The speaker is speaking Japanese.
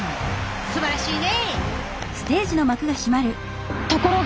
すばらしいね！